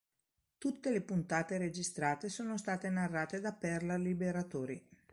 Tutte le puntate registrate sono state narrate da Perla Liberatori.